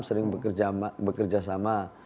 sering bekerja sama